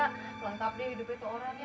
kelantap deh hidupnya tuh orangnya